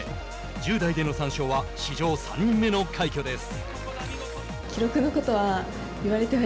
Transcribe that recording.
１０代での３勝は史上３人目の快挙です。